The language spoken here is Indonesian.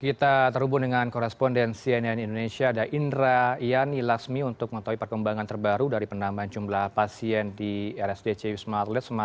kita terhubung dengan korespondensi nn indonesia ada indra iyani lasmi untuk mengetahui perkembangan terbaru dari penambahan jumlah pasien di rsdc yusma adulis